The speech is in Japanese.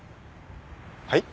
はい？